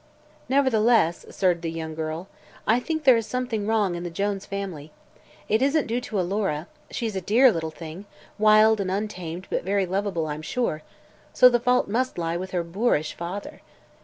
"Nevertheless," asserted the young girl, "I think there is something wrong in the Jones family. It isn't due to Alora; she's a dear little thing, wild and untamed but very lovable, I'm sure; so the fault must lie with her boorish father.